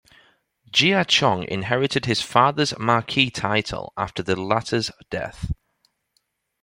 Jia Chong inherited his father's marquis title after the latter's death.